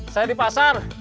saya di pasar